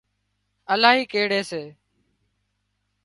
الاهي ڪيڙي سي